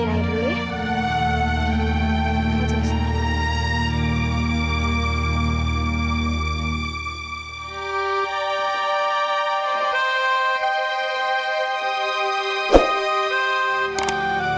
jangan wearing tears di tangan para pinjaman